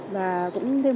và cũng thêm